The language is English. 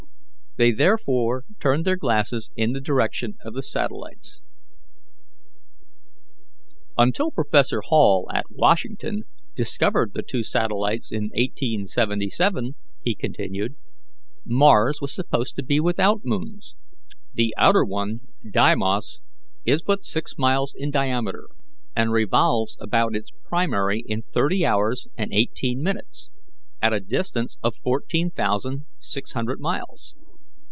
They therefore turned their glasses in the direction of the satellites. "Until Prof. Hall, at Washington, discovered the two satellites in 1877," he continued, "Mars was supposed to be without moons. The outer one, Deimos, is but six miles in diameter, and revolves about its primary in thirty hours and eighteen minutes, at a distance of fourteen thousand six hundred miles.